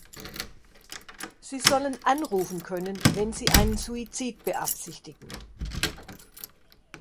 Sie sollen anrufen können, wenn sie einen Suizid beabsichtigen.